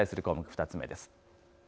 項目２つ目です。